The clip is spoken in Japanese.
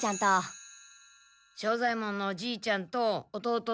庄左ヱ門のじーちゃんと弟の。